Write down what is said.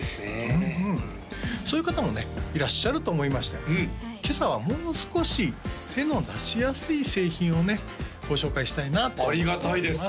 うんうんそういう方もねいらっしゃると思いまして今朝はもう少し手の出しやすい製品をねご紹介したいなと思っております